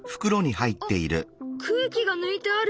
あっ空気が抜いてある。